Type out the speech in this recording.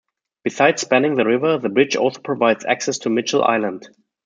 Besides spanning the river, the bridge also provides access to Mitchell Island.